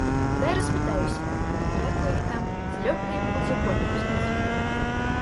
Дай распытаюся, як у іх там, ці лёгка нам будзе коні ўзяць?